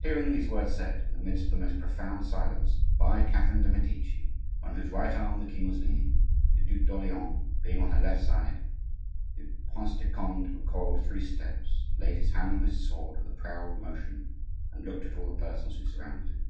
Hearing these words said, in the midst of the most profound silence, by Catherine de' Medici, on whose right arm the king was leaning, the Duc d'Orleans being on her left side, the Prince de Conde recoiled three steps, laid his hand on his sword with a proud motion, and looked at all the persons who surrounded him.